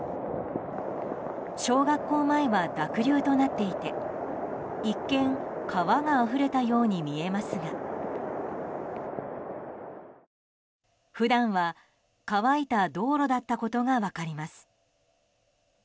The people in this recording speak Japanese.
小学校前は濁流となっていて一見、川があふれたように見えますが普段は乾いた道路だったことが分かります。